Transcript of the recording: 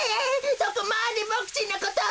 そこまでボクちんのことを。